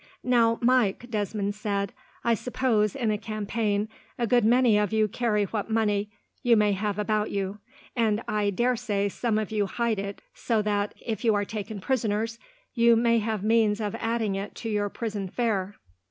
"Now, Mike," Desmond said, "I suppose, in a campaign, a good many of you carry what money you may have about you, and I dare say some of you hide it so that, if you are taken prisoners, you may have means of adding to your prison fare."